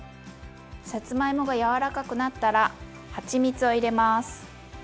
さつまいもが柔らかくなったらはちみつを入れます。